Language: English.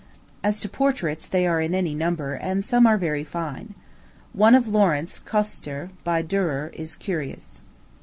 As to portraits, they are in any number, and some are very fine. One of Laurence Coster, by Durer, is curious.